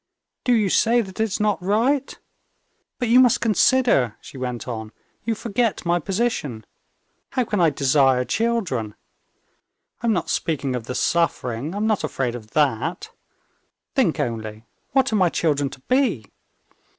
"Do you say that it's not right? But you must consider," she went on; "you forget my position. How can I desire children? I'm not speaking of the suffering, I'm not afraid of that. Think only, what are my children to be?